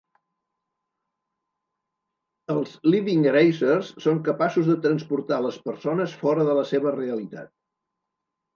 Els Living Erasers són capaços de transportar les persones fora de la seva realitat.